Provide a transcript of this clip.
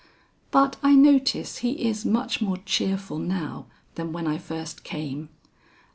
But I notice he is much more cheerful now than when I first came.